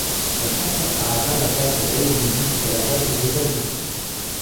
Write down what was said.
La chanson a atteint la place au Royaume-Uni et la place aux États-Unis.